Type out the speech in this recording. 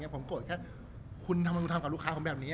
ผมโกรธแค่คุณทำกับลูกค้าผมแบบนี้